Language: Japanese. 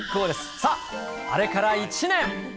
さあ、あれから１年。